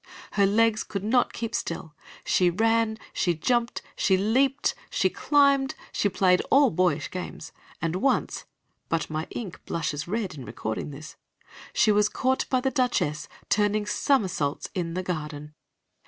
Her legs could not keep still; she ran, she jumped, she leaped, she climbed, she played all boyish games, and once, but my ink blushes red in recording this, she was caught by the Duchess turning somersaults in the garden.